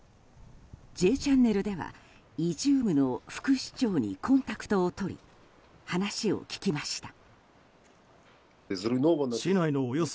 「Ｊチャンネル」ではイジュームの副市長にコンタクトを取り話を聞きました。